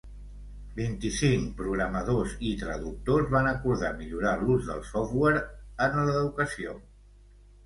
Vint-i-cinc programadors i traductors van acordar millorar l'ús del software en l'educació.